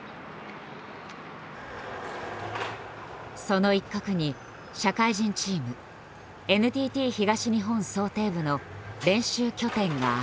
その一角に社会人チーム「ＮＴＴ東日本漕艇部」の練習拠点がある。